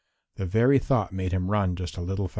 The very thought made him run just a little faster.